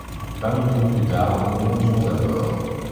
Vingt minutes plus tard, nous montions à bord.